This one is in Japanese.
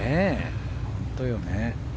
本当よね。